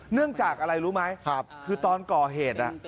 เนื่องจากอะไรรู้ไหมคือตอนก่อเหตุ